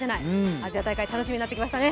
アジア大会楽しみになってきましたね。